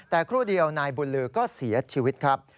แต่ครู่เดียวนายบุญลือก็เสียชีวิตครับ